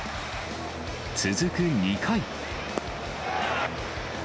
続く２回。